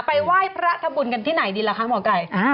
ไปไหว้พระทำบุญกันที่ไหนดีล่ะคะหมอไก่